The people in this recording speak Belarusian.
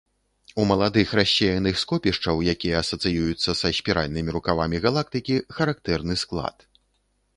У маладых рассеяных скопішчаў, якія асацыююцца са спіральнымі рукавамі галактыкі, характэрны склад.